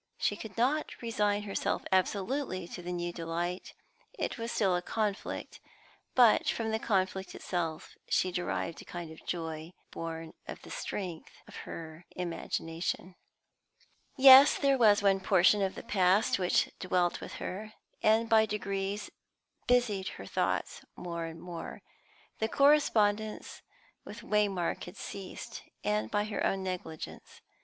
She could not resign herself absolutely to the new delight; it was still a conflict; but from the conflict itself she derived a kind of joy, born of the strength of her imagination. Yes, there was one portion of the past which dwelt with her, and by degrees busied her thoughts more and more. The correspondence with Waymark had ceased, and by her own negligence.